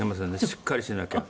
しっかりしなきゃ。